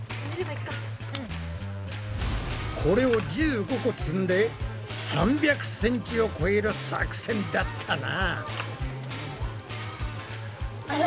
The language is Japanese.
これを１５個積んで３００ｃｍを超える作戦だったな。